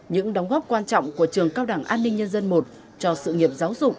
những đóng góp quan trọng của trường cao đẳng an ninh nhân dân i cho sự nghiệp giáo dục